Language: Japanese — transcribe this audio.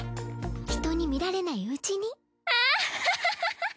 人に見られないうちにアーッハハハハハ！